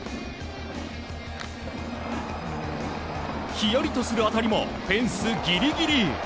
ヒヤリとする当たりもフェンスギリギリ。